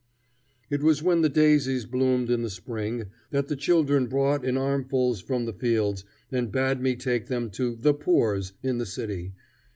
It was when the daisies bloomed in the spring that the children brought in armfuls from the fields, and bade me take them to "the poors" in the city.